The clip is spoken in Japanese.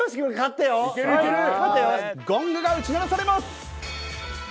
ゴングが打ち鳴らされます。